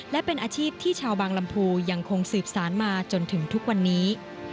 และเป็นอาชีพที่ชาวบางลำพูยังคงสืบสารมาจนถึงทุกวันนี้